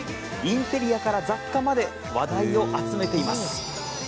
インテリアから雑貨まで話題を集めています。